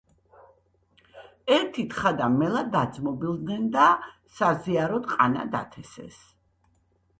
ერთი თხა და მელა დაძმობილდნენ და საზიაროდ ყანა დათესეს